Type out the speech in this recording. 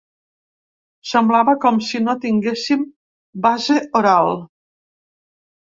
Semblava com si no tinguéssim base oral.